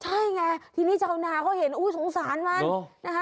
ใช้ง่ายทีนี้ชาวนาเขาเห็นอุ๊ยซัมปมซ้านมัน